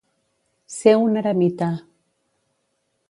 Ser un eremita.